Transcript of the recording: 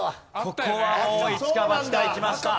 ここはもうイチかバチかいきました。